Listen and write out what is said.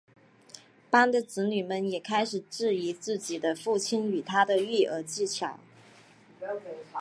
班的子女们也开始质疑自己的父亲与他的育儿技巧。